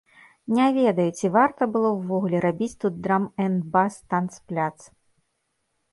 Не ведаю, ці варта было ўвогуле рабіць тут драм-энд-бас танцпляц.